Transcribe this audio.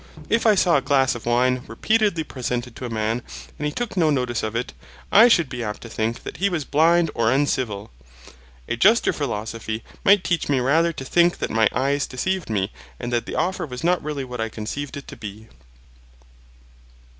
If I saw a glass of wine repeatedly presented to a man, and he took no notice of it, I should be apt to think that he was blind or uncivil. A juster philosophy might teach me rather to think that my eyes deceived me and that the offer was not really what I conceived it to be.